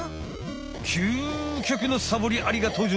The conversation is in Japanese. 究極のサボりアリが登場！